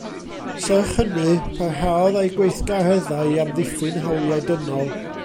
Serch hynny, parhaodd â'i gweithgareddau i amddiffyn hawliau dynol.